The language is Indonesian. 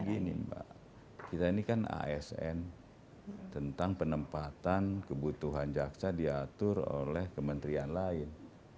begini mbak kita ini kan asn tentang penempatan kebutuhan jaksa diatur oleh kementerian lain